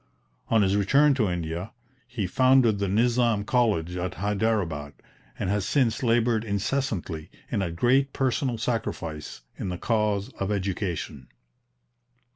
On his return to India he founded the Nizam College at Hyderabad, and has since laboured incessantly, and at great personal sacrifice, in the cause of education.